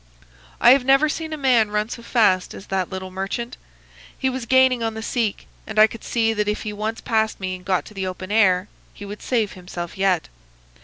I have never seen a man run so fast as that little merchant. He was gaining on the Sikh, and I could see that if he once passed me and got to the open air he would save himself yet.